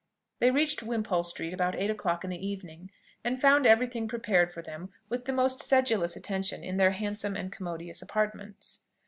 They reached Wimpole Street about eight o'clock in the evening, and found every thing prepared for them with the most sedulous attention in their handsome and commodious apartments.